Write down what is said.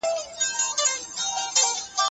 په کورنۍ پوهه کي د زده کوونکي احساسات نه ځپل کېږي.